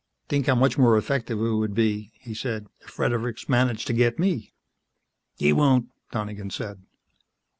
"Think how much more effective it would be," he said, "if Fredericks managed to get me." "He won't," Donegan said.